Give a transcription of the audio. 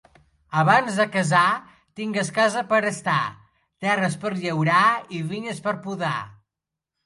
Abans de casar tingues casa per estar, terres per llaurar i vinyes per podar.